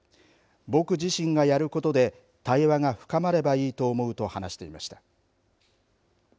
僕自身がやることで対話が深まればいいと思うと話していました。